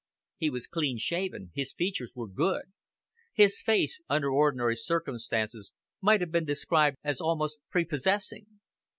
He was clean shaven, his features were good; his face, under ordinary circumstances, might have been described as almost prepossessing.